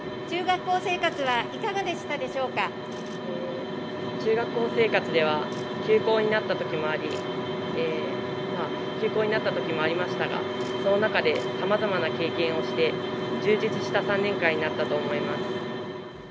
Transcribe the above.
中学校生活はいかがでしたで中学校生活では休校になったときもあり、休校になったときもありましたが、その中でさまざまな経験をして充実した３年間になったと思います。